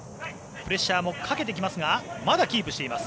プレッシャーもかけていますがまだキープしています。